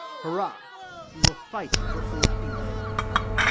"Hurrah, we will fight for Old England."